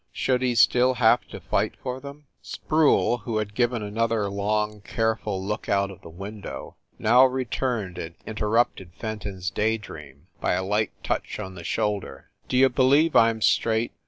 Should he still have to fight for them. Sproule, who had given another long, careful THE NORCROSS APARTMENTS 291 look out of the window, now returned and inter rupted Fenton s day dream, by a light touch on the shoulder. "Do you believe I m straight?"